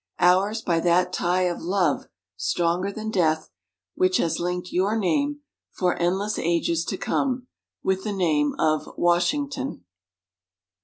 Ours by that tie of love, stronger than death, which has linked your name, for endless ages to come, with the name of_ WASHINGTON.